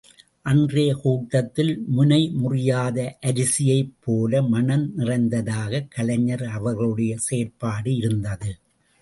அன்றைய கூட்டத்தில் முனை முறியாத அரிசியைப் போல மணம் நிறைந்ததாக கலைஞர் அவர்களுடைய செயற்பாடு இருந்தது!